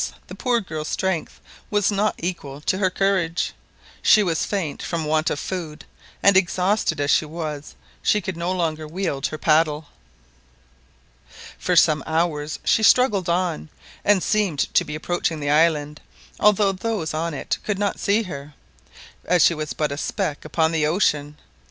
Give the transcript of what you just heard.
the poor girl's strength was not equal to her courage, she was faint from want of food, and, exhausted as she was, she could no longer wield her paddle. For some hours she struggled on, and seemed to be approaching the island, although those on it could not see her, as she was but a speck upon the ocean.